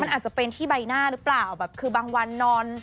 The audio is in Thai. มันอาจจะเป็นที่ใบหน้าหรือเปล่าแบบคือบางวันนอน